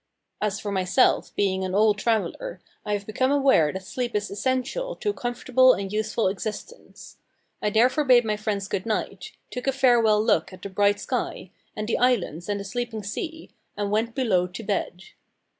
As for myself, being an old traveller, I have become aware that sleep is essential to a comfortable and useful existence. I therefore bade my friends good night, took a farewell look at the bright sky, and the islands, and the sleeping sea, and went below to bed.